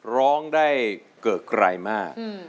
ร้องได้เกอะไกลมาก